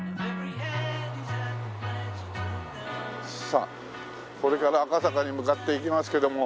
さあこれから赤坂に向かって行きますけども。